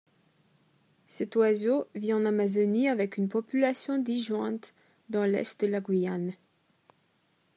Cet oiseau vit en Amazonie avec une population disjointe dans l'est de la Guyane.